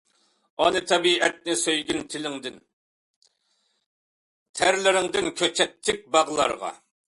ئانا تەبىئەتنى سۆيگىن دىلىڭدىن، تەرلىرىڭدىن كۆچەت تىك باغلارغا.